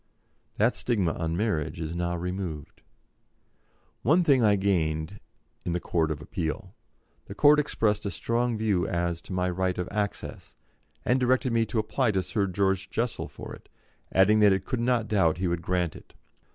That stigma on marriage is now removed. One thing I gained in the Court of Appeal. The Court expressed a strong view as to my right of access, and directed me to apply to Sir George Jessel for it, adding that it could not doubt he would grant it.